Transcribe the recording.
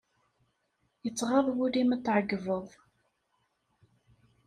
Yettɣaḍ wul-im ad t-ɛeggbeḍ.